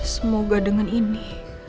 semoga dengan ini